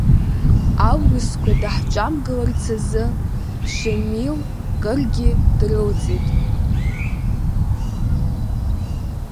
Аурысқәа даҳҿамгыларц азы Шамил кыргьы дрылҵит.